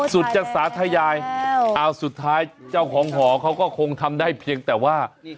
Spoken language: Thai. สุดจากศาสตร์ทายายเอ้าสุดท้ายเจ้าของเขาก็คงทำได้เพียงแต่ว่า